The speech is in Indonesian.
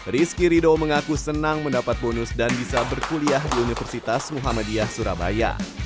rizky rido mengaku senang mendapat bonus dan bisa berkuliah di universitas muhammadiyah surabaya